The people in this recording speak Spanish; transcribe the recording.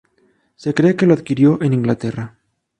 Se cree que lo adquirió en Inglaterra.